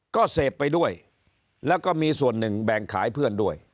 ก็เสพไปด้วยแล้วก็มีส่วนหนึ่งแบ่งขายเพื่อนด้วย